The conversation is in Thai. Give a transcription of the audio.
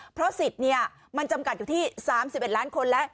เพราะสิทธิ์มันจำกัดอยู่ที่๓๑ล้านคนแล้ว